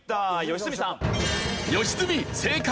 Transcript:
良純さん。